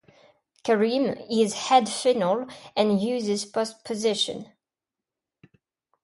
Karaim is head-final and uses postpositions.